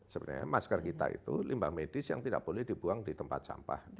sebenarnya masker kita itu limbah medis yang tidak boleh dibuang di tempat sampah